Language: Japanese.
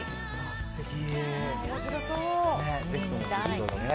すてき。